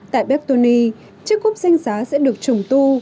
tại beptony chiếc cúp danh giá sẽ được trùng tu